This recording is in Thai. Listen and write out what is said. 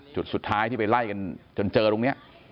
จุดสุดท้ายที่ไปไล่กันจนเจอตรงนี้